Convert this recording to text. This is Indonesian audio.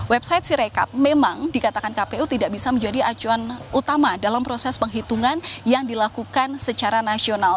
website sirekap memang dikatakan kpu tidak bisa menjadi acuan utama dalam proses penghitungan yang dilakukan secara nasional